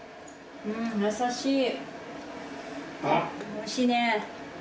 おいしいね。